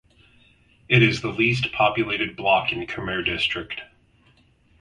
It is the least populated block in Kaimur district.